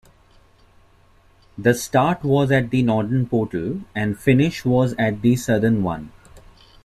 The 'start' was at the northern portal and 'finish' was at the southern one.